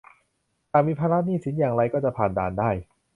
หากมีภาระหนี้สินอย่างไรก็จะผ่านด่านได้